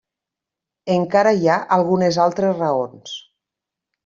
Encara hi ha algunes altres raons.